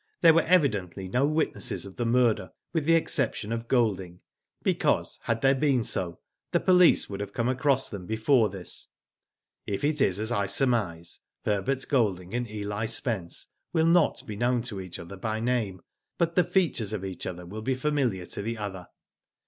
There were evidently no witnesses of the murder, with the exception of Golding, because had there been so the police would have come across them before this. If it is as I surmise, Herbert Golding and Eli Spence will not be known to each other by name, but the features of each will be familiar to the other.